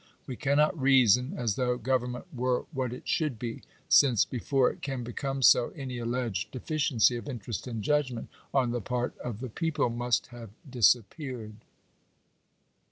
We cannot reason as though go vernment were what it should be ; since, before it can become so, any alleged deficiency of " interest and judgment" on the part of the people must have disappeared.